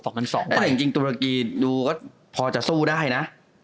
แต่จริงตุรกีดูก็พอจะสู้ได้นะ